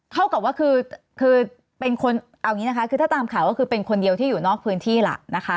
เท่ากับว่าคือเป็นคนเอาอย่างนี้นะคะคือถ้าตามข่าวก็คือเป็นคนเดียวที่อยู่นอกพื้นที่ล่ะนะคะ